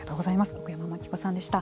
奥山眞紀子さんでした。